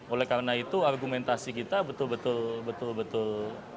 oleh karena itu argumentasi kita betul betul